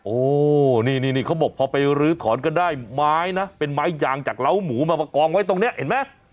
โอ้นี่เขาบอกพอไปรื้อถอนก็ได้ไม้นะเป็นไม้ยางจากเล้าหมูมาประกองไว้ตรงนี้เห็นไหม